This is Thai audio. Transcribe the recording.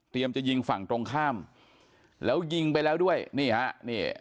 จะยิงฝั่งตรงข้ามแล้วยิงไปแล้วด้วยนี่ฮะนี่